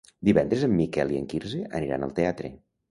Divendres en Miquel i en Quirze aniran al teatre.